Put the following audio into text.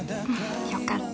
よかった。